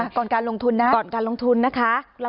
ก่อนการลงทุนนะก่อนการลงทุนนะคะ